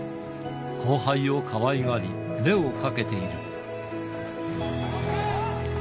後輩をかわいがり、目をかけている。